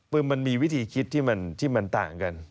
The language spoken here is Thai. คือมันมีวิธีคิดที่มันต่างกัน